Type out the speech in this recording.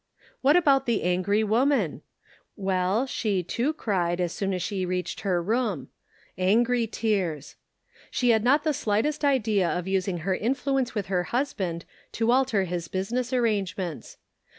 What about the angry woman? Well, she, too, cried, as soon as she reached her room — angry tears. She had not the slightest idea of using her influence with her husband to al ter his business arrangements.